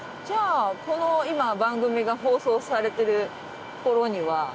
じゃあこの今番組が放送されてる頃には。